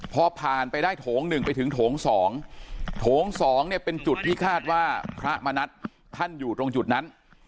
พอผ่านไปได้โถง๑ไปถึงโถง๒โถง๒เนี่ยเป็นจุดที่คาดว่าพระมณัฐท่านอยู่ตรงจุดนั้น